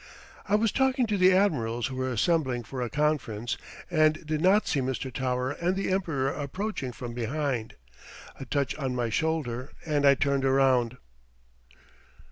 I was talking to the admirals who were assembling for a conference, and did not see Mr. Tower and the Emperor approaching from behind. A touch on my shoulder and I turned around.